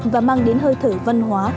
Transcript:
và mang đến hơi thở văn hóa